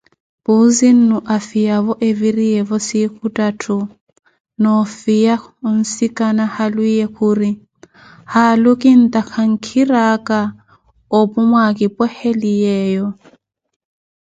Puuzi-nnu afiyavo eviriyevo siikhu ttatthu, nʼoofiya ansikana halwiye khuri:- Haalu kintakha nkhira aka opu mwakipweheliyeeyo.